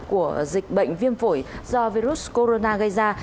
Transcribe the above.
của dịch bệnh viêm phổi do virus corona gây ra